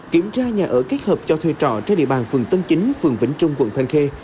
kiểm tra nhà ở kết hợp cho thuê trọ trên địa bàn phường tân chính phường vĩnh trung quận thanh khê